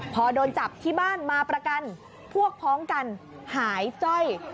พอโดนจับที่บ้านมาประกันพวกพ้องกันหายจ้อย